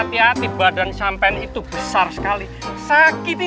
tidak ada apa apa wani